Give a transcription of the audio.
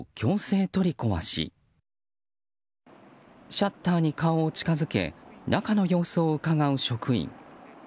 シャッターに顔を近づけ中の様子をうかがう職員。